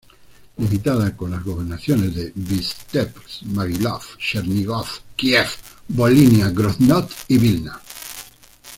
Limitaba con las gobernaciones de Vítebsk, Maguilov, Chernígov, Kiev, Volinia, Grodno y Vilna.